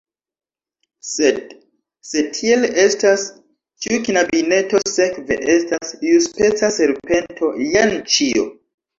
"Sed, se tiel estas, ĉiu knabineto sekve estas iuspeca serpento. Jen ĉio!"